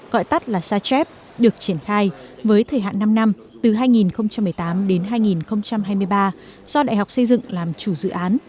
gọi tắt là sachev được triển khai với thời hạn năm năm từ hai nghìn một mươi tám đến hai nghìn hai mươi ba do đại học xây dựng làm chủ dự án